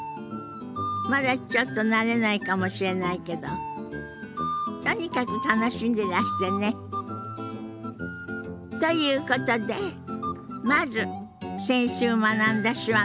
まだちょっと慣れないかもしれないけどとにかく楽しんでらしてね。ということでまず先週学んだ手話の復習から始めましょう。